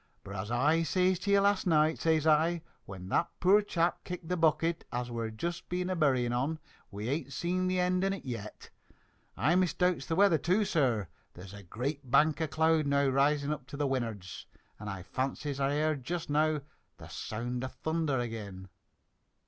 "But, as I says to ye last night, says I, when that poor chap kicked the bucket as we've just been a burying on, we ain't seen the end on it yet. I misdoubts the weather, too, sir. There's a great bank of cloud now rising up to win'ard, and I fancies I heard jist now the sound o' thunder ag'in."